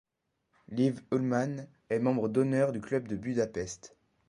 Liv Ullmann est membre d'honneur du Club de Budapest.